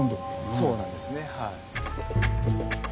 そうなんですね。